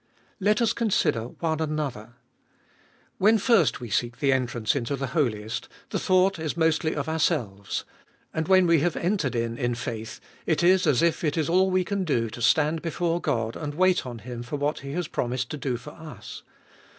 Let us consider one another. When first we seek the entrance into the Holiest, the thought is mostly of ourselves. And when we have entered in in faith, it is as if it is all we can do to stand before God, and wait on Him for what He has promised to do for us.